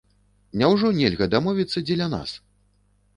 Няўжо нельга дамовіцца дзеля нас?